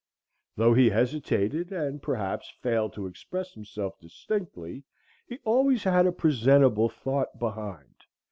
Though he hesitated, and perhaps failed to express himself distinctly, he always had a presentable thought behind.